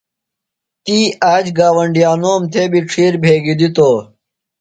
تی آ ج گاوۡنڈیانوم تھےۡ بیۡ ڇِھیر بھیگیۡ دِتوۡ۔